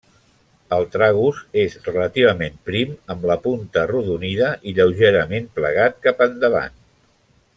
El tragus és relativament prim, amb la punta arrodonida i lleugerament plegat cap endavant.